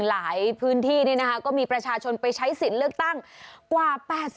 หลายพื้นที่ก็มีประชาชนไปใช้สิทธิ์เลือกตั้งกว่า๘๐